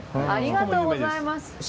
ありがとうございます！